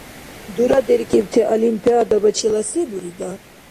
ДурадеркӀибти олимпиадабачила се бурида?